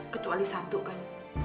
kecuali satu kan